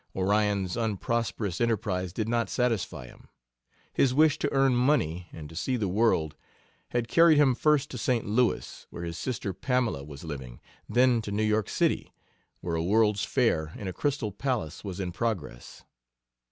Orion's unprosperous enterprise did not satisfy him. His wish to earn money and to see the world had carried him first to St. Louis, where his sister Pamela was living, then to New York City, where a World's Fair in a Crystal Palace was in progress.